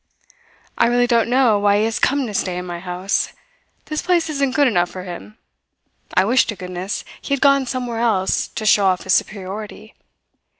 "I really don't know why he has come to stay in my house. This place isn't good enough for him. I wish to goodness he had gone somewhere else to show off his superiority.